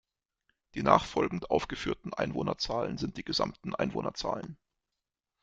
Die nachfolgend aufgeführten Einwohnerzahlen sind die gesamten Einwohnerzahlen.